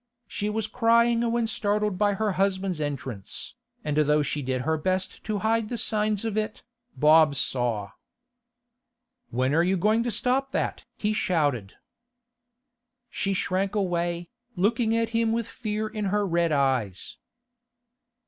She was crying when startled by her husband's entrance, and though she did her best to hide the signs of it, Bob saw. 'When are you going to stop that?' he shouted. She shrank away, looking at him with fear in her red eyes.